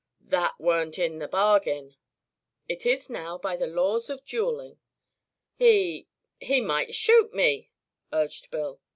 "That weren't in the bargain." "It is now, by the laws of dueling." "He he might shoot me," urged Bill.